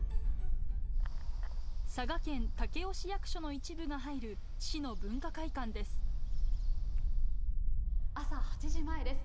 佐賀県武雄市役所の一部が入る、朝８時前です。